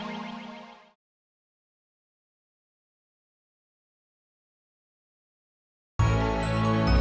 kalau dia ulang